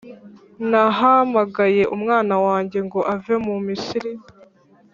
nahamagaye umwana wanjye ngo ave mu Misiri.